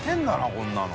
こんなの。